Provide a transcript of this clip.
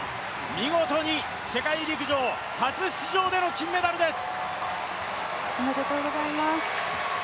見事に世界陸上、初出場での金メダルです！